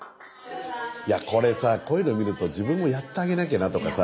これさこういうの見ると自分もやってあげなきゃなとかさ。